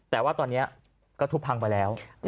แต่ว่าตอนนี้ก็ทุบพังไปแล้ว